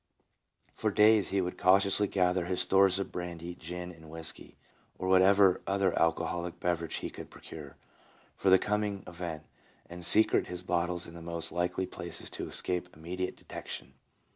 For days he would cautiously gather his stores of brandy, gin, and whisky, or whatever other alcoholic beverage he could procure, for the coming event, and secrete his bottles in the most likely places to escape immediate detection.